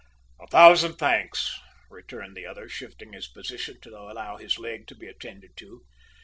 "A thousand thanks," returned the other, shifting his position to allow his leg to be attended to.